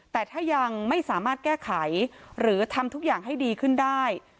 แต่ถ้ายังไม่สามารถแก้ไขหรือทำทุกอย่างให้ดีขึ้นได้